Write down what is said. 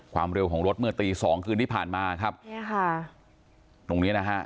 ความเร็วของรถเมื่อตีสองคืนที่ผ่านมาครับเนี่ยค่ะตรงเนี้ยนะฮะ